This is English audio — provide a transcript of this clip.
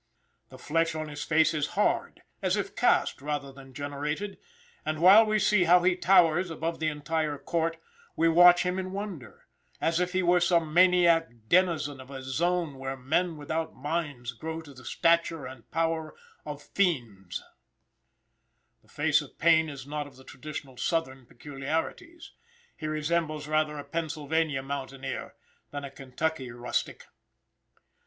The flesh on his face is hard, as if cast, rather than generated, and while we see how he towers above the entire court, we watch him in wonder, as if he were some maniac denizen of a zone where men without minds grow to the stature and power of fiends. The face of Payne is not of the traditional southern peculiarities. He resembles rather a Pennsylvania mountaineer than a Kentucky rustic.